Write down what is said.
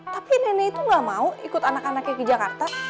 tapi nenek itu gak mau ikut anak anaknya ke jakarta